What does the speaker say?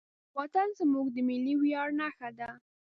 وطن زموږ د ملي ویاړ نښه ده.